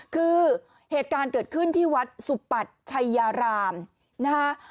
คือเหตุการณ์เกิดขึ้นที่วัดสุปัชชัยยารามนะคะ